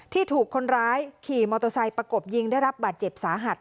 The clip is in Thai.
ถูกคนร้ายขี่มอเตอร์ไซค์ประกบยิงได้รับบาดเจ็บสาหัส